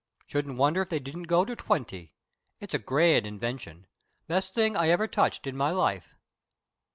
Shouldn't wonder if they didn't go to twenty. It's a grand invention. Best thing I ever touched in my life."